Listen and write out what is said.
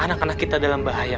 anak anak kita dalam bahaya